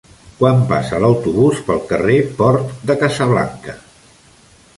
Quan passa l'autobús pel carrer Port de Casablanca?